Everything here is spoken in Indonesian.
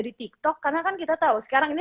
di tiktok karena kan kita tahu sekarang ini